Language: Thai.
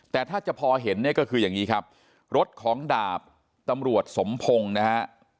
แต่ถ้าจะพอเห็นเนี่ยก็คืออย่างนี้ครับรถของดาบตำรวจสมพงศ์นะฮะ